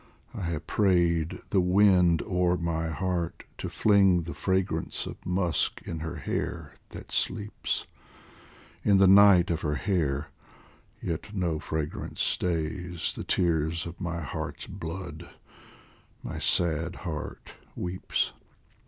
I have prayed the wind o'er my heart to fling The fragrance of musk in her hair that sleeps In the night of her hair yet no fragrance stays The tears of my heart's blood my sad heart weeps.